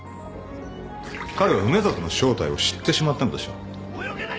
彼は梅里の正体を知ってしまったのでしょう。